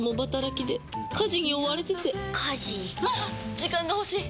時間が欲しい！